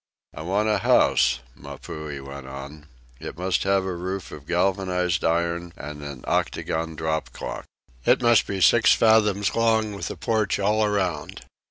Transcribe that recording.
"I want a house," Mapuhi went on. "It must have a roof of galvanized iron and an octagon drop clock. It must be six fathoms long with a porch all around.